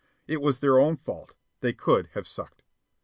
It was their own fault. They could have sucked.